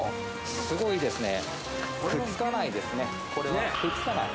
すごいですね